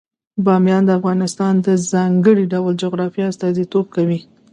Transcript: بامیان د افغانستان د ځانګړي ډول جغرافیه استازیتوب کوي.